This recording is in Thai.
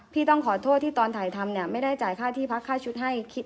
พี่ต้องขอโทษที่ตอนถ่ายทำเนี่ยไม่ได้จ่ายค่าที่พักค่าชุดให้